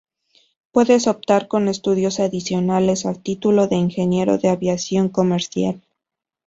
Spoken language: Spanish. Puedes optar, con estudios adicionales, al título de Ingeniero en Aviación Comercial.